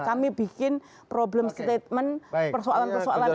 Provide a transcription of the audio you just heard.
kami bikin problem statement persoalan persoalan